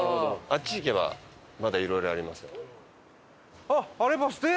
あっち行けばまだいろいろありますよ。